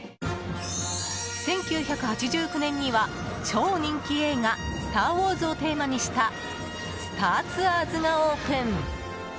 １９８９年には超人気映画「スター・ウォーズ」をテーマにしたスター・ツアーズがオープン。